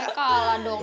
ya saya kalah dong